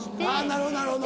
なるほどなるほど。